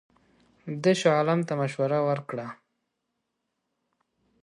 ده شاه عالم ته مشوره ورکړه.